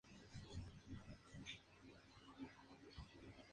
En el sur de los Montes Apalaches puede aparecer una segunda generación anual.